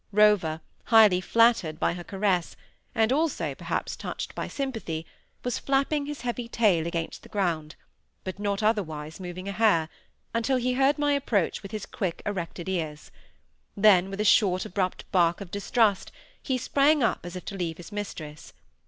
Rover, highly flattered by her caress, and also, perhaps, touched by sympathy, was flapping his heavy tail against the ground, but not otherwise moving a hair, until he heard my approach with his quick erected ears. Then, with a short, abrupt bark of distrust, he sprang up as if to leave his mistress.